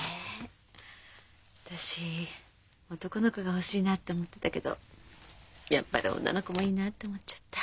私男の子が欲しいなって思ってたけどやっぱり女の子もいいなと思っちゃった。